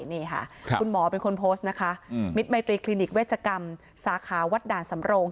นี่ค่ะคุณหมอเป็นคนโพสต์นะคะมิตรไมตรีคลินิกเวชกรรมสาขาวัดด่านสำโรง